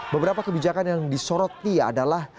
beberapa kebijakan yang disoroti adalah